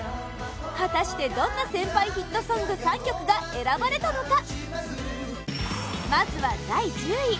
果たしてどんな先輩ヒットソング３曲が選ばれたのか？